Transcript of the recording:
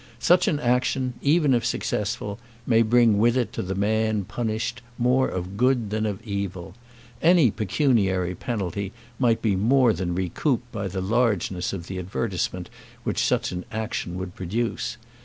Such an action, even if successful, may bring with it to the man punished more of good than of evil. Any pecuniary penalty might be more than recouped by the largeness of the advertisement which such an action would produce.